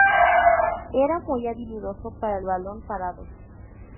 Era muy habilidoso para el balón parado.